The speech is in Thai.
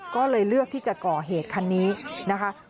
ก็เลยเลือกที่จะก่อเหตุคันนี้นะคะ